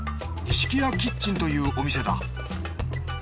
ニシキヤキッチンというお店だ。